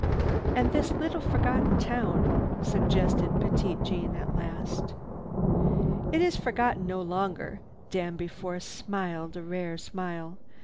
"And this little forgotten town?" suggested Petite Jeanne at last. "It is forgotten no longer." Danby Force smiled a rare smile.